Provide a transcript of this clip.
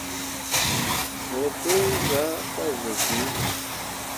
Mu biŋ zaa ka zuu bii.